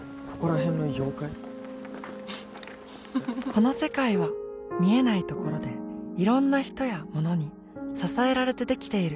この世界は見えないところでいろんな人やものに支えられてできている